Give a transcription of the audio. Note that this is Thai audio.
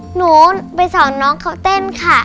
หนูไปสอนน้องเขาเต้นค่ะ